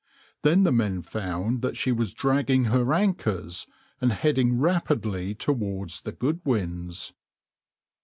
Then the men found that she was dragging her anchors and heading rapidly towards the Goodwins.